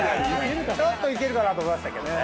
ちょっといけるかなと思いましたけどね。